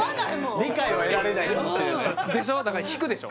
理解は得られないかもしれないでしょ？